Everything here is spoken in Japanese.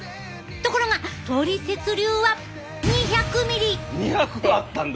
ところがトリセツ流は２００あったんだ